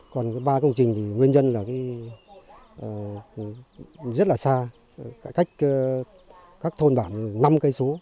còn ba công trình nguyên nhân rất là xa cách các thôn bản năm km